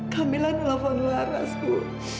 kamilah nelfon laras bu